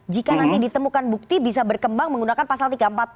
jika nanti ditemukan bukti bisa berkembang menggunakan pasal tiga ratus empat puluh